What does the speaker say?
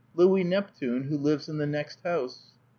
Louis Neptune, who lives in the next house.